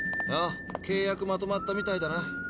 契約まとまったみたいだな。